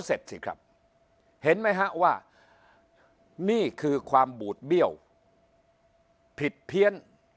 เสร็จสิครับเห็นไหมฮะว่านี่คือความบูดเบี้ยวผิดเพี้ยน